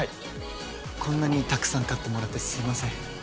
こんなにたくさん買ってもらってすいません